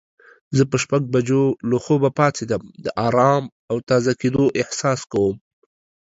زه په شپږ بجو له خوبه پاڅیدم د آرام او تازه کیدو احساس کوم.